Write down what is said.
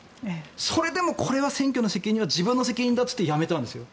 それでもこれは選挙の責任は自分の責任だって言って辞めたんですよ。